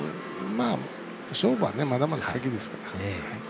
勝負はまだまだ先ですから。